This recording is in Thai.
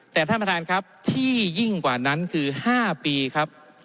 แต่ท่านประธานครับที่ยิ่งกว่านั้นคือ๕ปีครับ